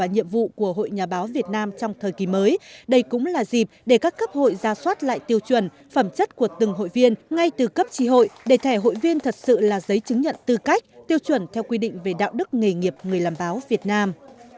tại buổi lễ công bố quyết định và trao thẻ hội viên hội nhà báo việt nam trong thời kỳ mới đây cũng là dịp để các cấp hội ra soát lại tiêu chuẩn phẩm chất của từng hội viên ngay từ cấp trì hội đề thẻ hội viên thật sự là giấy chứng nhận tư cách tiêu chuẩn theo quy định về đạo đức nghề nghiệp người làm báo việt nam